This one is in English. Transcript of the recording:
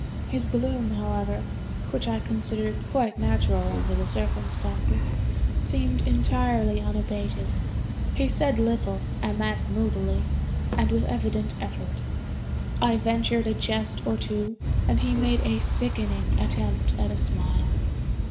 His gloom, however (which I considered quite natural under the circumstances), seemed entirely unabated. He said little, and that moodily, and with evident effort. I ventured a jest or two, and he made a sickening attempt at a smile.